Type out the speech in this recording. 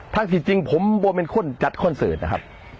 ทั้งที่จริงผมโบเป็นคนจัดคอนเสิร์ตนะครับ